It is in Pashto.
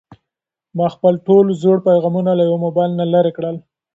ما خپل ټول زوړ پيغامونه له موبایل نه لرې کړل.